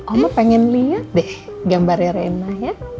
kamu pengen lihat deh gambarnya rena ya